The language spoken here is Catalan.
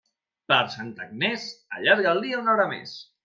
Per Santa Agnés, allarga el dia una hora més.